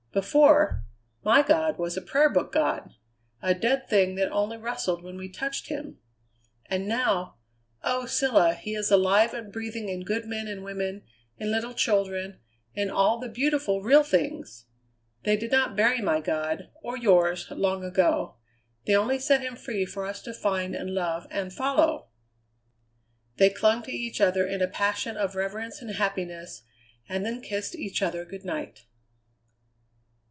Before, my God was a prayer book God; a dead thing that only rustled when we touched him; and now, oh! Cilla, he is alive and breathing in good men and women, in little children, in all the beautiful, real things. They did not bury my God, or yours, long ago; they only set him free for us to find and love and follow." They clung to each other in a passion of reverence and happiness, and then kissed each other good night.